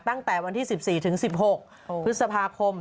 ตั้งแต่วันที่๑๔ถึง๑๖พฤษภาคม